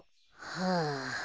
はあ。